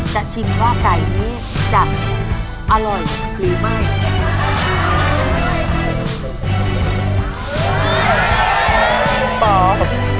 ชิมว่าไก่นี้จะอร่อยหรือไม่